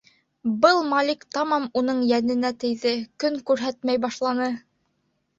Был Малик тамам уның йәненә тейҙе, көн күрһәтмәй башланы.